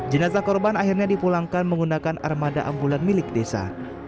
jenazah korban akhirnya dipulangkan menggunakan armada ambulan milik desa